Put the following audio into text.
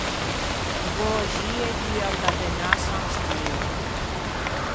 E böxie duan da Dënâ à San Steva.